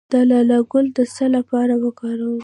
د لاله ګل د څه لپاره وکاروم؟